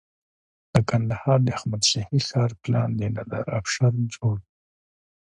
د کندهار د احمد شاهي ښار پلان د نادر افشار جوړ کړ